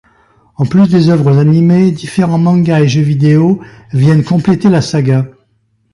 En plus des œuvres animées, différents mangas et jeux vidéo viennent compléter la saga.